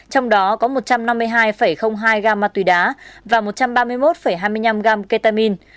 trong đó có một trăm năm mươi hai hai gam ma túy đá và một trăm ba mươi một hai mươi năm gram ketamine